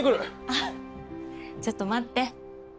あっちょっと待って。